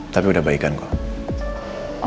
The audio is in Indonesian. tapi udah baikan kok